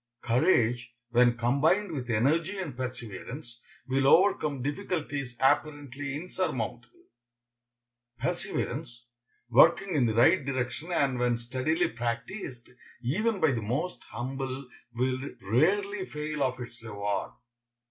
Courage, when combined with energy and perseverance, will overcome difficulties apparently insurmountable. Perseverance, working in the right direction and when steadily practiced, even by the most humble, will rarely fail of its reward.